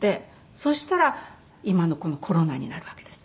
そしたら今のこのコロナになるわけです。